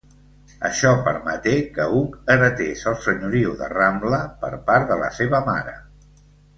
Això permeté que Hug heretés el senyoriu de Ramla, per part de la seva mare.